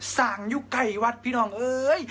สร้างอยู่ใกล้วัดพี่น้องเอ้ย